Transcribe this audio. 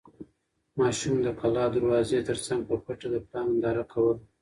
ماشوم د کلا د دروازې تر څنګ په پټه د پلار ننداره کوله.